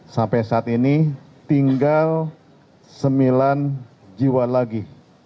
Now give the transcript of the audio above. sampai saat ini tinggal sembilan jiwa lagi